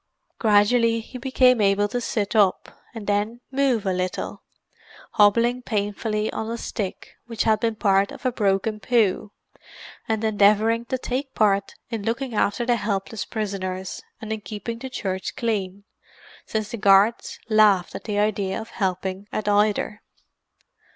Gradually he became able to sit up, and then to move a little, hobbling painfully on a stick which had been part of a broken pew, and endeavouring to take part in looking after the helpless prisoners, and in keeping the church clean, since the guards laughed at the idea of helping at either.